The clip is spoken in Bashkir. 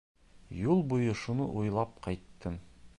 Юл буйы шуны уйлап ҡайттым.